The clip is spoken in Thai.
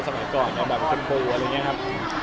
สมัยก่อนคุณปูอะไรอย่างเงี้ยครับ